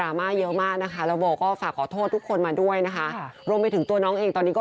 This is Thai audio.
เอาดีเป็นเพื่อนก็นานกว่าเป็นแฮค